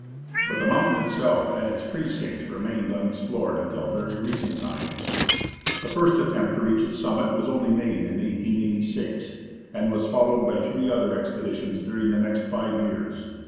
But the mountain itself and its precincts remained unexplored until very recent times. The first attempt to reach its summit was only made in 1886, and was followed by three other expeditions during the next five years.